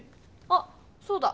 あそうだ！